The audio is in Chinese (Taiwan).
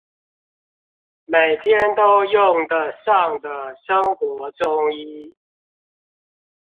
每天都用得上的生活中醫